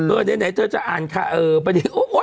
เออไหนเธอจะอ่านค่ะเออไปดีกว่า